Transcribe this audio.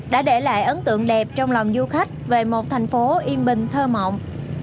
đã để lại ấn tượng đẹp trong lòng du khách về một thành phố yên bình thơ mộng